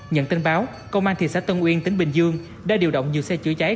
nhận tin báo công an thị xã tân uyên tỉnh bình dương đã điều động nhiều xe chữa cháy